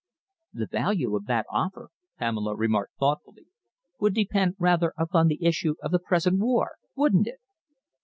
"The value of that offer," Pamela remarked thoughtfully, "would depend rather upon the issue of the present war, wouldn't it?"